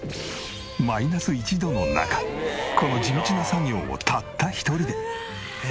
マイナス１度の中この地道な作業をたった一人で。